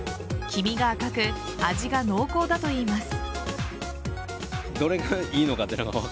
黄身が赤く味が濃厚だといいます。